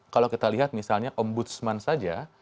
kalau kita lihat misalnya om budsman saja